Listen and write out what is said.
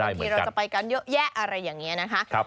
ทีเราจะไปกันเยอะแยะอะไรอย่างนี้นะคะ